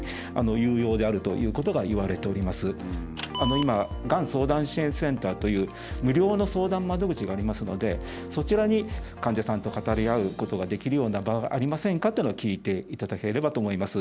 今がん相談支援センターという無料の相談窓口がありますのでそちらに「患者さんと語り合うことができるような場はありませんか？」っていうのを聞いていただければと思います。